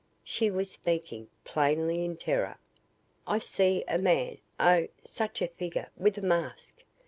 She was speaking, plainly in terror. "I see a man oh, such a figure with a mask.